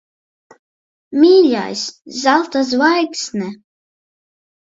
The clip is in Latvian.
Mīļais! Zelta zvaigzne.